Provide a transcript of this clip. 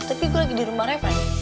tapi gue lagi di rumah refer